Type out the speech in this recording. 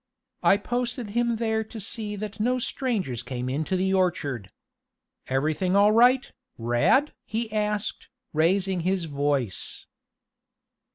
"I posted him there to see that no strangers came into the orchard. Everything all right, Rad?" he asked, raising his voice.